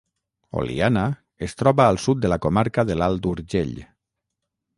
Oliana es troba al sud de la comarca de l'Alt Urgell.